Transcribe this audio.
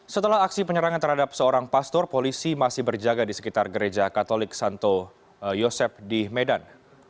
setelah aksi penyerangan terhadap seorang pastor polisi masih berjaga di sekitar gereja katolik santo yosep di medan